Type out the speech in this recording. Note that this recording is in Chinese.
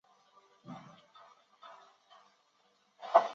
蒙特福尔河畔伊勒维尔。